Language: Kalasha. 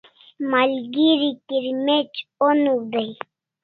Malgeri kirmec' oniu dai e?